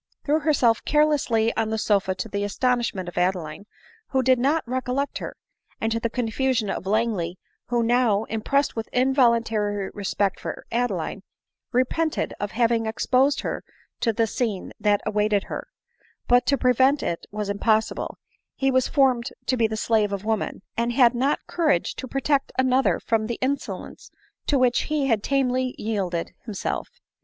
threw herself carelessly on the sofa, to the astonishment of Adeline, who did not recollect her, and to the confusion of Lang ley, who now, impressed with involuntary respect for Adeline, repented of having exposed her to the scene that awaited her ; but to prevent it was impossible ; he was formed to be the slave of women, and had not cour age to protect another from th? insolence to which he tamely yielded himself.